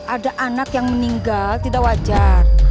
ada anak yang meninggal tidak wajar